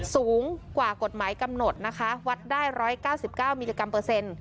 สูงกว่ากฎหมายกำหนดนะคะวัดได้๑๙๙มิลลิกรัมเปอร์เซ็นต์